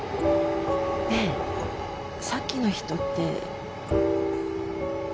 ねえさっきの人って。